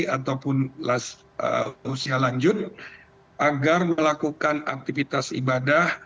ataupun usia lanjut agar melakukan aktivitas ibadah